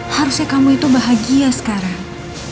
harusnya kamu itu bahagia sekarang